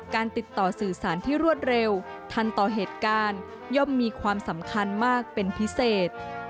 การติดต่อสื่อสารที่รวดเร็วทันต่อเหตุการณ์ย่อมมีความสำคัญมากเป็นพิเศษ